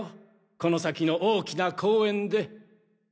この先の大きな公園で。